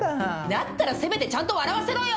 だったらせめてちゃんと笑わせろよ！